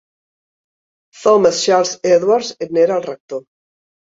Thomas Charles Edwards n'era el rector.